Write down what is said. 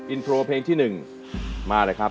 อินโทรเพลงที่๑มาเลยครับ